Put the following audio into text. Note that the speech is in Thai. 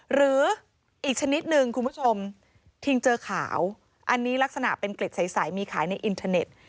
หรืออีกชนิดนึงคุณผู้ชมทิ้งเจอขาวอันนี้ลักษณะเป็นเกล็ดใสมีขายในอินเทอร์เน็ต